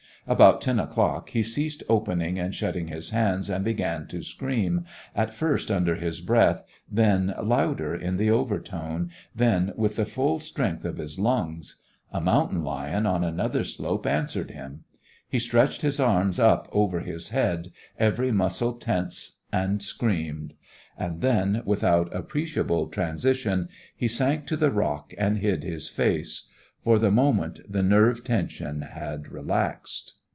About ten o'clock he ceased opening and shutting his hands and began to scream, at first under his breath, then louder in the over tone, then with the full strength of his lungs. A mountain lion on another slope answered him. He stretched his arms up over his head, every muscle tense, and screamed. And then, without appreciable transition, he sank to the rock and hid his face. For the moment the nerve tension had relaxed.